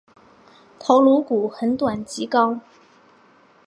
头颅骨很短及高。